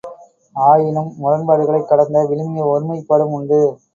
ஆயினும் முரண்பாடுகளைக் கடந்த விழுமிய ஒருமைப்பாடும் உண்டு.